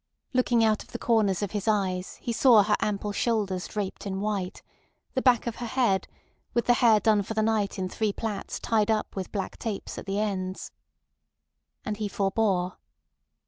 Looking out of the corners of his eyes, he saw her ample shoulders draped in white, the back of her head, with the hair done for the night in three plaits tied up with black tapes at the ends. And he forbore.